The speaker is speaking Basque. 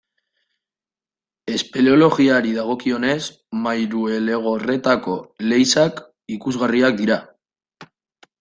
Espeleologiari dagokionez, Mairuelegorretako leizeak ikusgarriak dira.